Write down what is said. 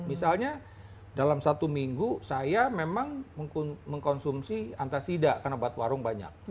misalnya dalam satu minggu saya memang mengkonsumsi antasida karena buat warung banyak